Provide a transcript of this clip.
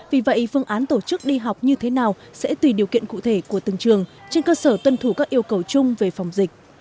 vì vậy phương án tổ chức đi học như thế nào sẽ tùy điều kiện cụ thể của từng trường trên cơ sở tuân thủ các yêu cầu chung về phòng dịch